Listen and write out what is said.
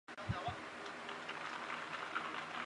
具备处理行政事务之处所